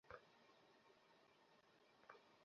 আর তৃতীয় পুরষ্কার পেয়েছে অর্জুনের সিম্বা!